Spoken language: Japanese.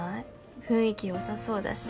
雰囲気良さそうだし。